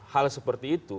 hal seperti itu